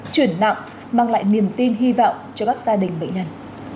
chuyển nặng mang lại niềm tin hy vọng cho các gia đình bệnh nhân